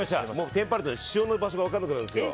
テンパると塩の場所が分かんなくなるんですよ。